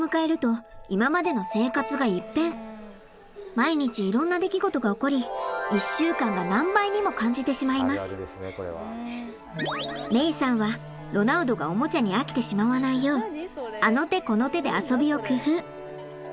毎日いろんな出来事が起こり芽依さんはロナウドがおもちゃに飽きてしまわないようあの手この手で遊びを工夫。